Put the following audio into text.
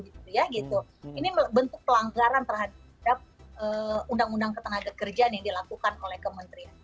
ini bentuk pelanggaran terhadap undang undang ketenaga kerjaan yang dilakukan oleh kementerian